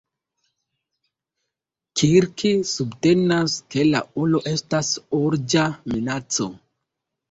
Kirk subtenas, ke la ulo estas urĝa minaco.